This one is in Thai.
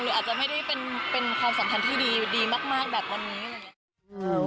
หรืออาจจะไม่ได้เป็นความสัมพันธ์ที่ดีมากแบบวันนี้